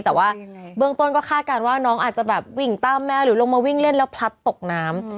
แต่ว่าเบื้องต้นก็คาดการณ์ว่าน้องอาจจะแบบวิ่งตามแม่หรือลงมาวิ่งเล่นแล้วพลัดตกน้ำ